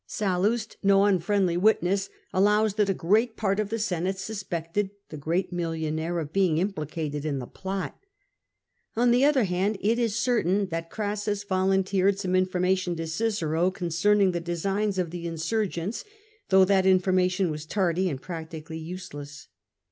Sallust, no unfriendly witness, allows that a great part of the Senate suspected the great mil lionaire of being implicated in the plot. On the other hand, it is certain that Crassus volunteered some infor mation to Cicero concerning the designs of the insur gents, though that information was tardy and practically useless.